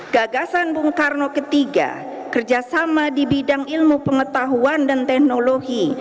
gagasan bung karno ketiga kerjasama di bidang ilmu pengetahuan dan teknologi